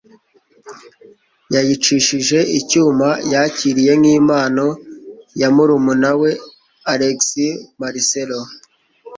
yayicishije icyuma yakiriye nk'impano ya murumuna we. (alexmarcelo